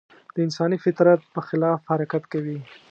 د انساني فطرت په خلاف حرکت کوي.